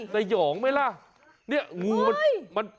แต่หย่องไหมล่ะ